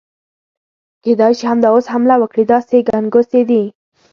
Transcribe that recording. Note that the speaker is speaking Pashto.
کېدای شي همدا اوس حمله وکړي، داسې ګنګوسې دي.